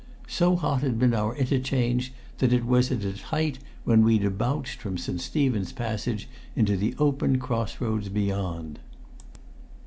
So hot had been our interchange that it was at its height when we debouched from St. Stephen's Passage into the open cross roads beyond.